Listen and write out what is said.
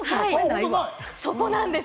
そうなんです。